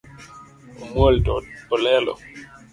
Omuol to olelo